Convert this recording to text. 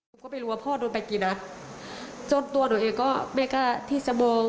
หนูก็ไม่รู้ว่าพ่อโดนไปกี่นัดจนตัวหนูเองก็ไม่กล้าที่จะโบ